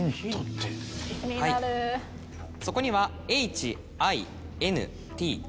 はいそこには「ＨＩＮＴ」。